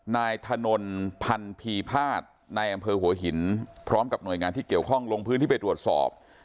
นายถนนพันพีภาษณ์ในอำเภอหัวหินพร้อมกับหน่วยงานที่เกี่ยวข้องลงพื้นที่ไปตรวจสอบ